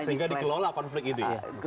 sehingga dikelola konflik itu ya